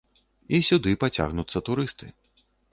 І сюды пацягнуцца турысты.